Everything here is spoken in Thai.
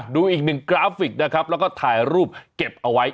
ดูอีกหนึ่งกราฟิกนะครับแล้วก็ถ่ายรูปเก็บเอาไว้